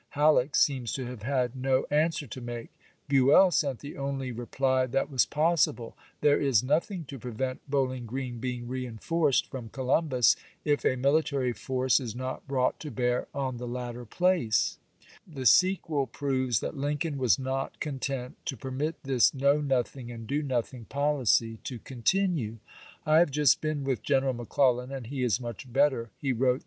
Halleck seems to have had no answer to make; Buell sent the only reply that was possible :" There is nothing to prevent Bowl ing Grreen being reenforced from Columbus if a ®.. Buell military force is not brought to bear on the latter to Lincoln, J BjU. Ij lob*. place." The sequel proves that Lincoln was not ^i.^p.^gi content to permit this know nothing and do noth /^i^^oin ing policy to continue. " I have just been with ^ wkMen ^' Greneral McClellan, and he is much better," he wrote sai^mon p.